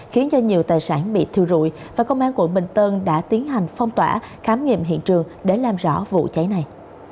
khiến cho nhiều tài sản bị thiêu rụi và công an quận bình tân đã tiến hành phong tỏa khám nghiệm hiện trường để làm rõ vụ cháy này